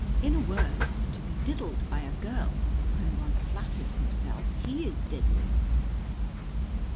In a word, to be diddled by a girl when one flatters himself he is diddling!